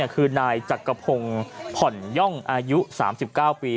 คือนายจักรพงศ์ผ่อนย่องอายุ๓๙ปี